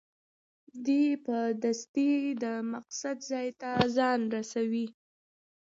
دی په دستي د مقصد ټکي ته ځان رسوي.